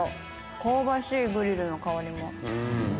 香ばしいグリルの香りも。